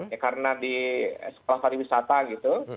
ya karena di sekolah tadi wisata gitu